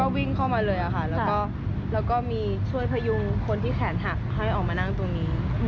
วิ่งเข้ามาเลยค่ะแล้วก็มีช่วยพยุงคนที่แขนหักให้ออกมานั่งตรงนี้